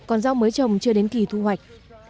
với chồng chưa đến kỳ thu hoạch